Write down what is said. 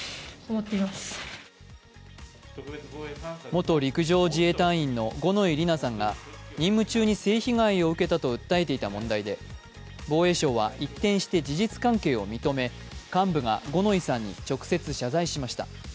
元陸上自衛隊員の五ノ井里奈さんが任務中に性被害を受けたと訴えていた問題で防衛省は一転して事実関係を認め、幹部が五ノ井さんに直接謝罪しました。